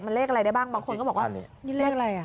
มันเลขอะไรได้บ้างบางคนก็บอกว่านี่เลขอะไรอ่ะ